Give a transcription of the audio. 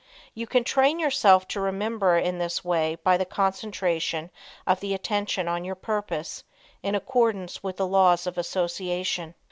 You can train yourself to remember in this way by the concentration of the attention on your purpose, in accordance with the laws of association.